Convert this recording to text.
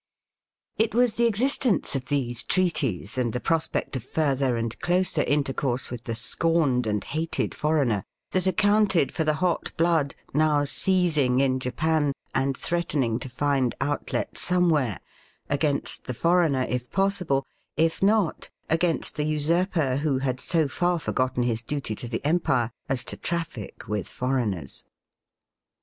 '' It was the existence of these treaties, and the prospect of further and closer intercourse with the scorned and hated foreigner, that accounted for the hot blood now seething in Japan, and threatening to find outlet somewhere, against the foreigner if possible, if not against the usurper who had so far forgotten his duty to the empire as to traffic with foreigners.